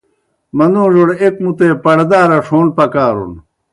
منُوڙوْڑ ایْک مُتے پَڑدا رڇھون پکارُن۔